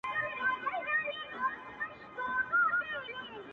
ستا کریم په تاپسې، سم لېونی شوی دی